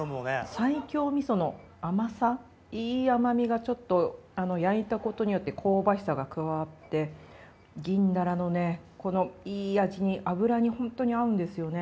西京味噌の甘さいい甘みがちょっと焼いたことによって香ばしさが加わって銀鱈のねこのいい味に脂に本当に合うんですよね。